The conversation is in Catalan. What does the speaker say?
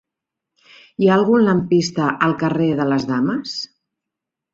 Hi ha algun lampista al carrer de les Dames?